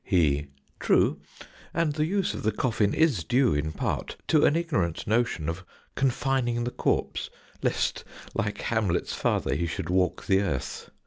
He: True, and the use of the coffin is due, in part, to an ignorant notion of confining the corpse, lest, like Hamlet's father, he should walk the earth.